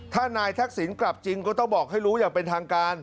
ถ้านายทักษิณกลับจริงก็ต้องบอกให้รู้อย่างเป็นทางการ